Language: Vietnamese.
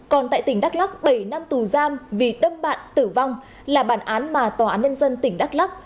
còn tại tỉnh đắk lắc bảy năm tù giam vì đâm bạn tử vong là bản án mà tòa án nhân dân tỉnh đắk lắc